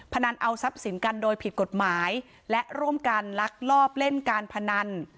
พนันเอาทรัพย์สินกันโดยผิดกฎหมายและร่วมกันลักลอบเล่นการพนัน